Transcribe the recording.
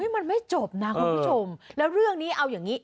มันไม่จบนะคุณผู้ชมแล้วเรื่องนี้เอาอย่างนี้